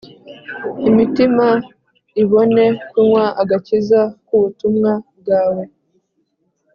Imitima ibone kunywa agakiza k’ubutumwa bwawe